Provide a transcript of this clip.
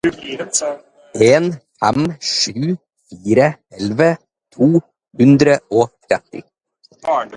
en fem sju fire elleve to hundre og tretti